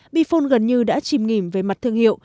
bihone gần như đã chìm nghỉm về mặt thương hiệu